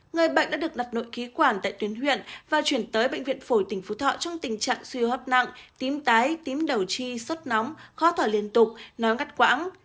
người bệnh đã được đặt nội khí quản tại tuyến huyện và chuyển tới bệnh viện phổi tỉnh phú thọ trong tình trạng suy hô hấp nặng tím tái tím đầu chi sốt nóng khó thở liên tục no ngắt quãng